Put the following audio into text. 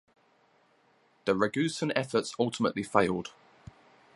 The Ragusan efforts ultimately failed.